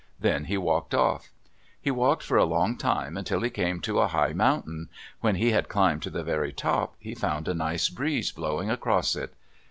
Then he walked off. He walked for a long time until he came to a high mountain. When he had climbed to the very top he found a nice breeze blowing across it.